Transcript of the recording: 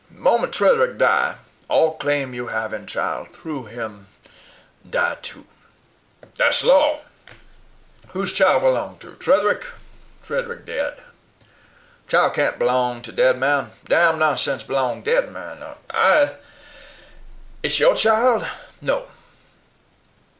The mom't Tretherick die all claim you have in chile through him die too. Thash law. Who's chile b'long to? Tretherick? Tretherick dead. Chile can't b'long dead man. Damn nonshense b'long dead man. I'sh your chile? no!